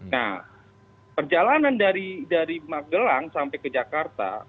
nah perjalanan dari magelang sampai ke jakarta